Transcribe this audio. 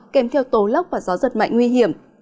kèm theo tố lốc và gió giật mạnh nguy hiểm